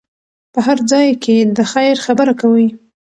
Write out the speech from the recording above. په هر ځای کې د خیر خبره کوئ.